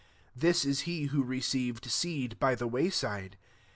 This is he who received seed by the way «frfe.